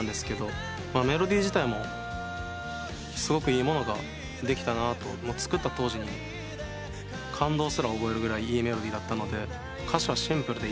メロディー自体もすごくいいものができたなと作った当時に感動すら覚えるぐらいいいメロディーだったので歌詞はシンプルでいいかなと思って。